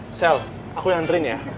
michelle aku yang nganterin ya